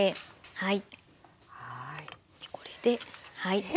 はい。